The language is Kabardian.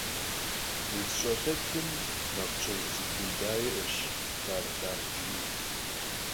УдзщӀэлъэтым макъ кӀыргъ зэпыуда иӀэщ, «дарг-дарг», жиӀэу.